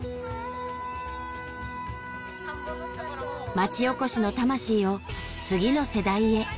町おこしの魂を次の世代へ。